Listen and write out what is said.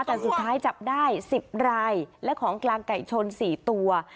แต่สุดท้ายจับได้๑๐รายและของกลางไก่ชน๔ตัว